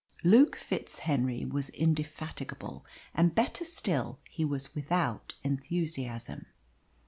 Luke FitzHenry was indefatigable, and, better still, he was without enthusiasm.